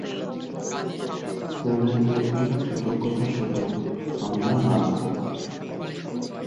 কনের প্রতি কৃতজ্ঞতাস্বরূপ, আমরা নাচব।